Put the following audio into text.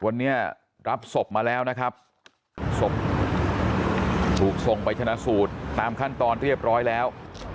วันนี้รับศพมาแล้วนะครับศพถูกส่งไปชนะสูตรตามขั้นตอนเรียบร้อยแล้ว